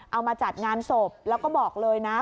เอามาจัดงานศพแล้วก็บอกเลยนะ